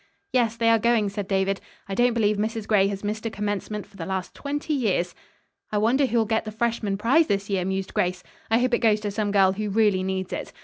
"Yes, they are going," said David. "I don't believe Mrs. Gray has missed a commencement for the last twenty years." "I wonder who'll get the freshman prize this year?" mused Grace. "I hope it goes to some girl who really needs it.